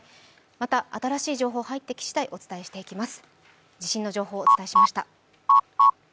また新しい情報が入ってきしだいお伝えしていきます。